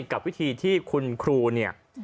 กับวิธีที่คุณครูเนี่ย